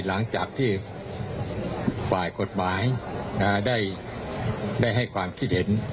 หลังจากที่ฝ่ายกฎหมายได้ให้ความคิดเห็น